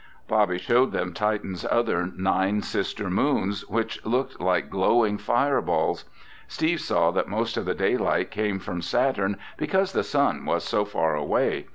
Bobby showed them Titan's other nine sister moons, which looked like glowing fireballs. Steve saw that most of the daylight came from Saturn because the sun was so far away.